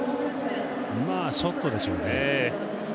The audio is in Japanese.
ショットでしょうね。